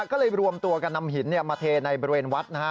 ก็เลยรวมตัวกันนำหินมาเทในบริเวณวัดนะฮะ